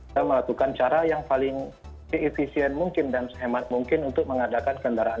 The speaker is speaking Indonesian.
weratukan cara yang paling kentucky mungkin dan keep mouse mungkin untuk mengadakan kendaraan